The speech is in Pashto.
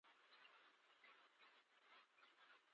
د خلافت په وجود کې، مسلمانان به د خپل ژوند په اړه خپلواکي ولري.